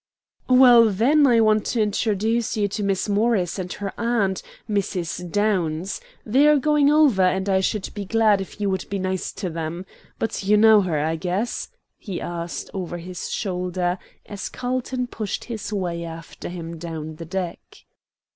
"Well, then, I want to introduce you to Miss Morris and her aunt, Mrs. Downs; they are going over, and I should be glad if you would be nice to them. But you know her, I guess?" he asked, over his shoulder, as Carlton pushed his way after him down the deck.